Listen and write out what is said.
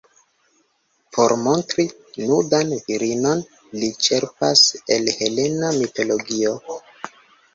Por montri nudan virinon, li ĉerpas el Helena mitologio.